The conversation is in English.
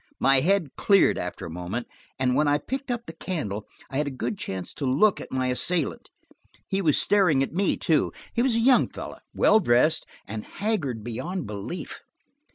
My head cleared after a moment, and when I had picked up the candle I had a good chance to look at my assailant. He was staring at me, too. He was a young fellow, well dressed, and haggard beyond belief.